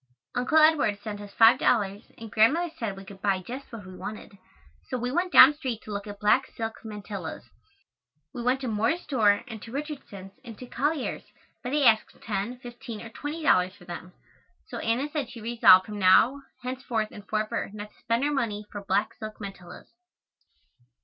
Uncle Edward sent us five dollars and Grandmother said we could buy just what we wanted, so we went down street to look at black silk mantillas. We went to Moore's store and to Richardson's and to Collier's, but they asked ten, fifteen or twenty dollars for them, so Anna said she resolved from now, henceforth and forever not to spend her money for black silk mantillas.